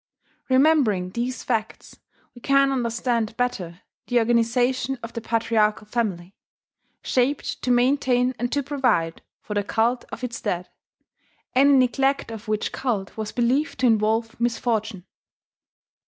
Remembering these facts we can understand better the organization of the patriarchal family, shaped to maintain and to provide for the cult of its dead, any neglect of which cult was believed to involve misfortune.